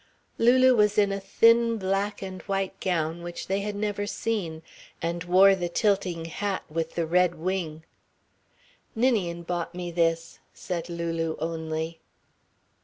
Lulu was in a thin black and white gown which they had never seen, and wore the tilting hat with the red wing. "Ninian bought me this," said Lulu only.